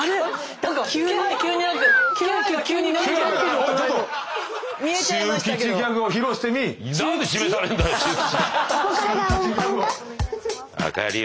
何で指名されんだよ！